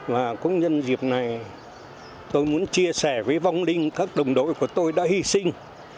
và cũng nhân dịp này tôi muốn chia sẻ với vong linh các đồng đội của tôi đã hy sinh